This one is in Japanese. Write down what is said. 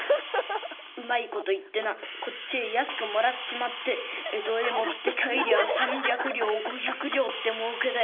うまいこと言ってなこっちへ安くもらっちまって江戸へ持って帰りゃ三百両五百両ってもうけだよ。